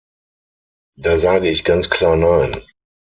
Da sage ich ganz klar Nein.